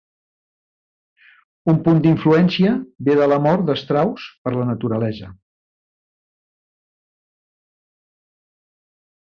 Un punt d'influència ve de l'amor de Strauss per la naturalesa.